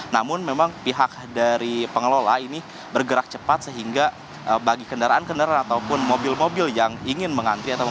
namun memang pihak dari pengelola ini bergerak cepat sehingga bagi kendaraan kendaraan ataupun mobil mobil yang ingin mengantri